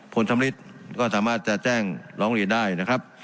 ผลสำริดก็สามารถจะแจ้งร้องเรียนได้นะครับ